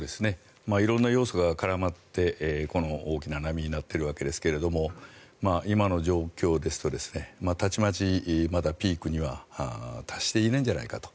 色んな要素が絡まってこの大きな波になっているわけですけども今の状況ですとたちまちまだピークには達していないんじゃないかと。